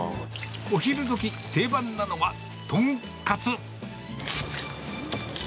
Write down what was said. お昼どき、定番なのはとんかつ。